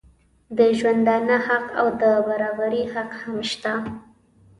د ژوندانه حق او د برابري حق هم شته.